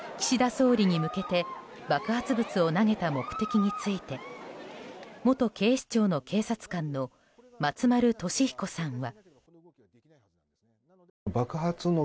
総理に向けて爆発物を投げた目的について元警視庁の警察官の松丸俊彦さんは。